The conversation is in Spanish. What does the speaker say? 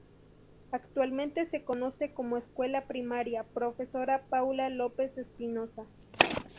Actualmente se conoce como Escuela Primaria Profesora Paula Lopez Espinoza.